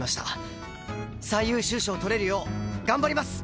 最優秀賞取れるよう頑張ります！